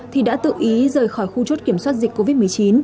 thì đã tự ý rời khỏi khu chốt kiểm soát dịch covid một mươi chín